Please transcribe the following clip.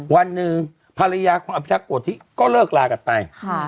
วันหนึ่งภรรยาของอภิรักษ์โกธิก็เลิกลากันไป